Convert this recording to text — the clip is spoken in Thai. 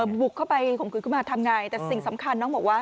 บุกเข้าไปข่มขืนขึ้นมาทำไงแต่สิ่งสำคัญน้องบอกว่า